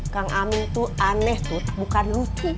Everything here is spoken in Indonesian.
kang amin tuh aneh tuh bukan lucu